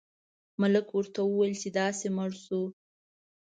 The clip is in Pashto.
بزګر ورته وویل چې داسې مړ شو.